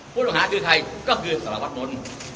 ผู้ต้องหาคือใครก็คือสารวัตรม้น